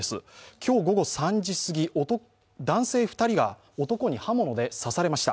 今日午後３時過ぎ、男性２人が男に刃物で刺されました。